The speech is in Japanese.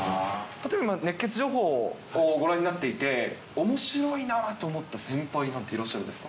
例えば熱ケツ情報をご覧になっていて、おもしろいなぁと思った先輩なんていらっしゃるんですか。